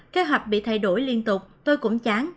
kế hoạch bị thay đổi liên tục tôi cũng chán